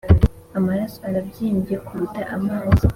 amaraso arabyimbye kuruta amazi